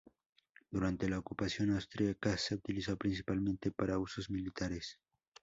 Durante la ocupación austriaca, se utilizó principalmente para usos militares.